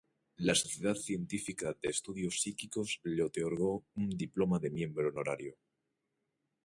La Sociedad Científica de Estudios Psíquicos le otorgó un diploma de miembro honorario.